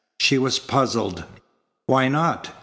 She was puzzled. "Why not?